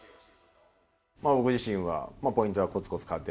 僕自身は、ポイントはこつこつ加点。